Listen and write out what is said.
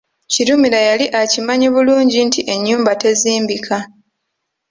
Kirumira yali akimanyi bulungi nti ennyumba tezimbika.